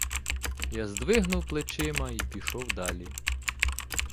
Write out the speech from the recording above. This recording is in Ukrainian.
Я здвигнув плечима й пішов далі.